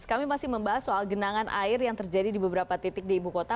kami masih membahas soal genangan air yang terjadi di beberapa titik di ibu kota